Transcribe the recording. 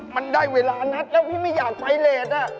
มันได้เวลานัดแล้วพี่ไม่อยากไฟเลส